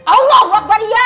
allah akbar ya